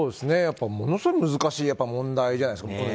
ものすごく難しい問題じゃないですか。